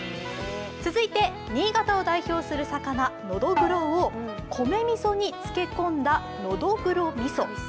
続いて新潟を代表する魚・のどぐろを米みそに漬け込んだのどぐろみそ。